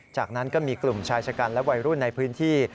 จากนั้นก็มีกลุ่มชายชะกันและวัยรุ่นในพื้นที่